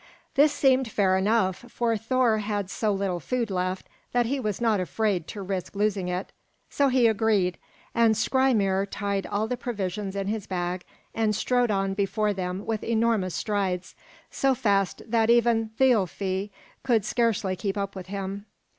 This seemed fair enough, for Thor had so little food left that he was not afraid to risk losing it; so he agreed, and Skrymir tied all the provisions in his bag and strode on before them with enormous strides, so fast that even Thialfi could scarcely keep up with him.